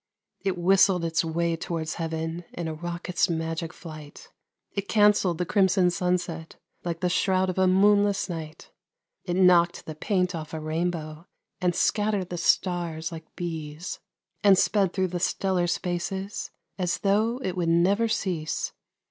It whistled its way towards Heaven in a rocket's magic flight; It cancelled the crimson sunset like the shroud of a moonless night; It knocked the paint off a rainbow and scattered the stars like bees; And sped thro' the stellar spaces as tho' it would never cease.